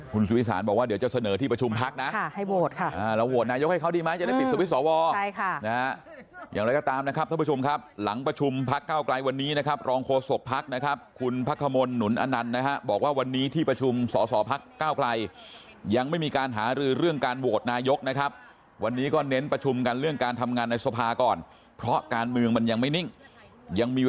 เขาจะกลับมาหาเรากันเมื่อไหร่ก็ได้